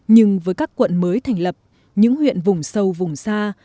nhưng với các quận mới thành lập những huyện vùng sâu vùng xa